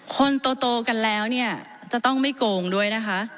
คนโตกันแล้วเนี่ยจะต้องไม่โกงด้วยนะคะ